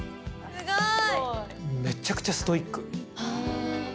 すごい。